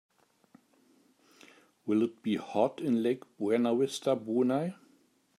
Will it be hot in Lake Buena Vista Brunei?